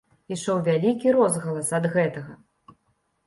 Ішоў вялікі розгалас ад гэтага.